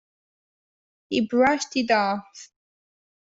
He brushed it off.